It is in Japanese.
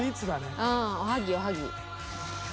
うんおはぎおはぎ。